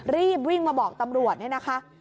รีบวิ่งมาบอกตำรวจเนี่ยนะคะ